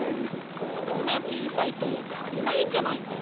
そんなちいさいとたりないんじゃないか？